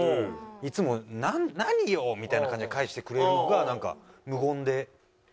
いつも「何よ！」みたいな感じで返してくれるのがなんか無言で。